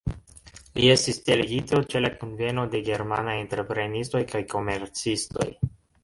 Li estis delegito ĉe la kunveno de germanaj entreprenistoj kaj komercistoj.